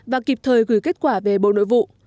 và kịp thời gửi kết quả về bộ nội vụ